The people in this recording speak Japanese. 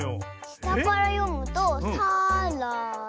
したからよむと「さ・ら・だ」！